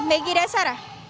maggie dan sarah